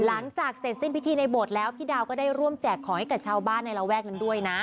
หลังจากเสร็จสิ้นพิธีในโบสถ์แล้วพี่ดาวก็ได้ร่วมแจกของให้กับชาวบ้านในระแวกนั้นด้วยนะ